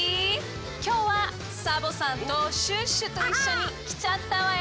きょうはサボさんとシュッシュといっしょにきちゃったわよ！